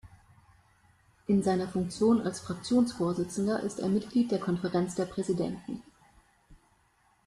In seiner Funktion als Fraktionsvorsitzender ist er Mitglied der Konferenz der Präsidenten.